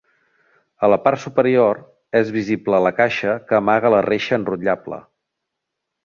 A la part superior és visible la caixa que amaga la reixa enrotllable.